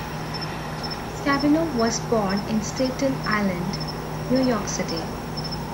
Scavullo was born in Staten Island, New York City.